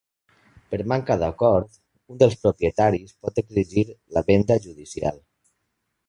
Per manca d'acord, un dels propietaris pot exigir la venda judicial.